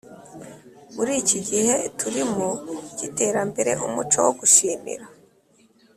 muri iki gihe turimo cy’iterambere, umuco wo gushimira